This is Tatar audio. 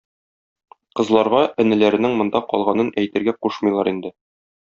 Кызларга энеләренең монда калганын әйтергә кушмыйлар инде.